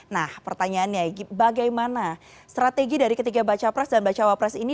nah pertanyaannya bagaimana strategi dari ketiga baca pres dan bacawa pres ini